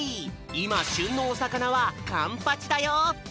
いましゅんのおさかなはかんぱちだよ！